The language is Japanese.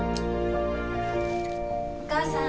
お母さん。